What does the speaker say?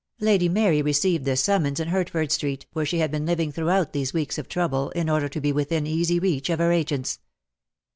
Lady Mary received this summons in Hertford Street, where she had been living throughout these weeks of trouble, in order to be within easy reach of her agents.